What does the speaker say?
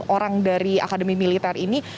orang dari akademi militer ini